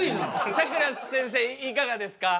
さくらせんせいいかがですか？